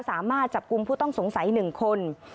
สามารถจับกลุ่มผู้ต้องสงสัย๑คน